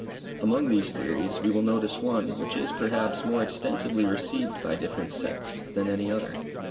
Among these theories, we will notice one, which is, perhaps, more extensively received by different sects than any other.